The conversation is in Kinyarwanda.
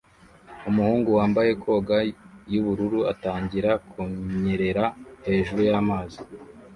Umuhungu wambaye koga yubururu atangira kunyerera hejuru y'amazi